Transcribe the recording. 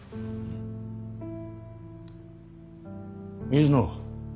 水野。